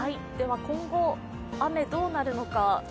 今後、雨どうなるのか。